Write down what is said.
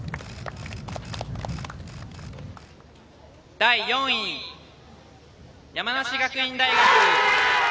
第４位、山梨学院大学。